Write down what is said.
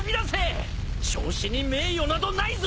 焼死に名誉などないぞ！